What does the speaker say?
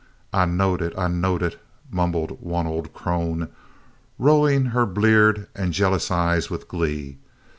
"I knowed it, I knowed it," mumbled one old crone, rolling her bleared and jealous eyes with glee.